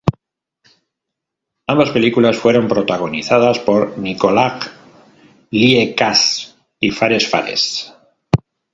Ambas películas fueron protagonizadas por Nikolaj Lie Kaas y Fares Fares.